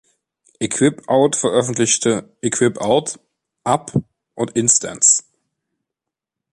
Equip'Out veröffentlichte „Equip'Out“, „Up!“ and „Instants“.